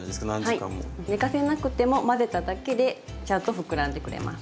寝かせなくても混ぜただけでちゃんと膨らんでくれます。